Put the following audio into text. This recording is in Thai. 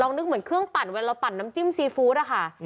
นึกเหมือนเครื่องปั่นเวลาเราปั่นน้ำจิ้มซีฟู้ดอะค่ะ